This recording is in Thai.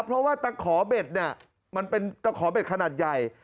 เพราะว่าตะขอเบ็ดเนี่ยมันเป็นตะขอเบ็ดขนาดใหญ่